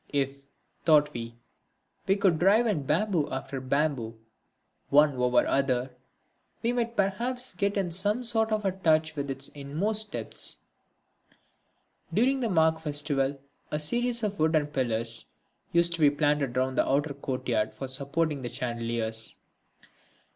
If, thought we, we could drive in bamboo after bamboo, one over the other, we might perhaps get into some sort of touch with its inmost depths. During the Magh festival a series of wooden pillars used to be planted round the outer courtyard for supporting the chandeliers.